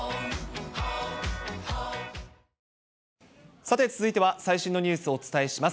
さて続いては、最新のニュースをお伝えします。